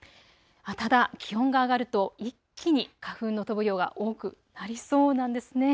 ただ気温が上がると一気に花粉の飛ぶ量が多くなりそうなんですね。